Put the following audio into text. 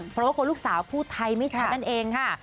เพราะลูกสาวพูดไทยไม่ถัดนั่นเองค่ะ